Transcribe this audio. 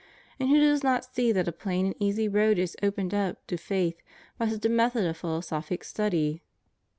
And who does not see that a plain and easy road is opened up to faith by such a method of philosophic study?